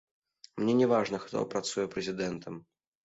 Мне не важна, хто працуе прэзідэнтам.